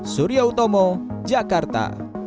surya utomo jakarta